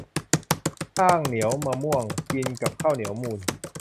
ข้างเหนียวมะม่วง กินกับข้าวเหนียวมูน